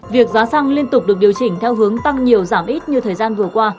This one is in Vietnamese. việc giá xăng liên tục được điều chỉnh theo hướng tăng nhiều giảm ít như thời gian vừa qua